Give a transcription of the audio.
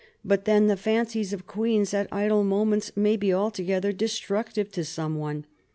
But then the fancies of queens at idle moments may be altogether destructive to someone.